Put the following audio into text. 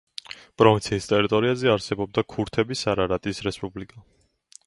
პროვინციის ტერიტორიაზე არსებობდა ქურთების არარატის რესპუბლიკა.